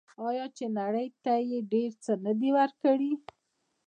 آیا چې نړۍ ته یې ډیر څه نه دي ورکړي؟